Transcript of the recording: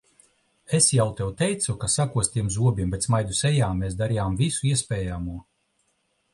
Es jau tev teicu, ka sakostiem zobiem, bet smaidu sejā mēs darījām visu iespējamo.